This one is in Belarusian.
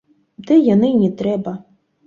Ды яны і не трэба.